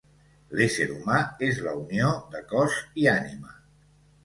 L'ésser humà és la unió de cos i ànima.